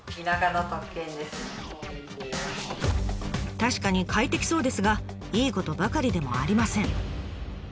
確かに快適そうですがいいことばかりでもありません。